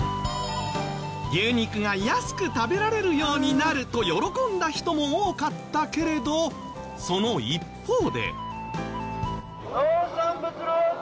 「牛肉が安く食べられるようになる」と喜んだ人も多かったけれどその一方で。